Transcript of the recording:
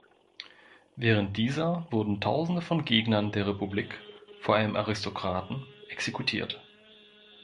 Während dieser wurden tausende von Gegnern der Republik, vor allem Aristokraten, exekutiert.